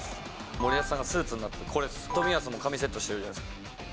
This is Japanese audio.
森保さんがスーツになった、これっす、冨安も髪セットしてるじゃないですか。